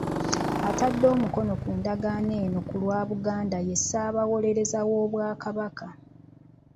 Atadde omukono ku ndagaano eno ku lwa Buganda ye Ssaabawolereza w'Obwakabaka